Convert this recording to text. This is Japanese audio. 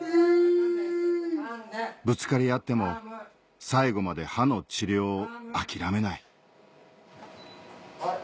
ぶつかり合っても最後まで歯の治療を諦めないはい。